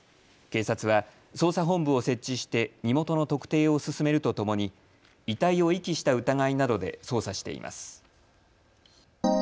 警察は捜査本部を設置して身元の特定を進めるとともに遺体を遺棄した疑いなどで捜査しています。